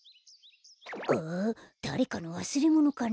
あだれかのわすれものかな？